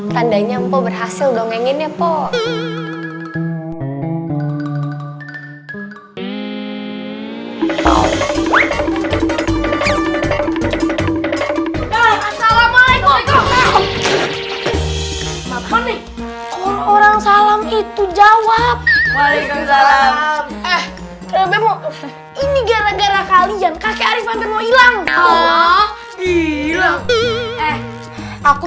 tandanya mpo berhasil dong yang ini pok